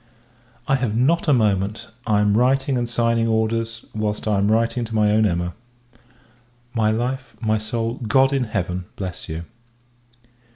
I have not a moment; I am writing and signing orders, whilst I am writing to my own Emma. My life, my soul, God in Heaven bless you!